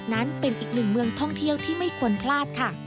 เที่ยวที่ไม่ควรพลาดค่ะ